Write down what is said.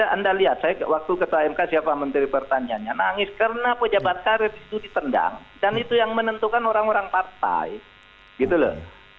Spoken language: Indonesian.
anda lihat saya waktu ketua mk siapa menteri pertaniannya nangis karena pejabat karir itu ditendang dan itu yang menentukan orang orang partai gitu loh